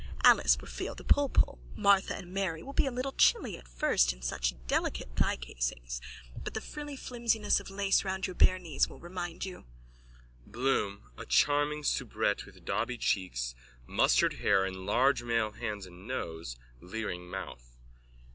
Alice will feel the pullpull. Martha and Mary will be a little chilly at first in such delicate thighcasing but the frilly flimsiness of lace round your bare knees will remind you... BLOOM: _(A charming soubrette with dauby cheeks, mustard hair and large male hands and nose, leering mouth.)